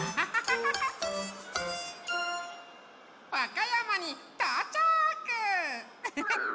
わかやまにとうちゃく！